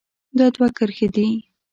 دا دوه کرښې دي.